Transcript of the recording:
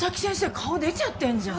顔出ちゃってんじゃん！